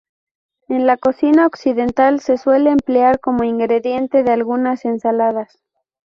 En la cocina occidental se suele emplear como ingrediente de algunas ensaladas.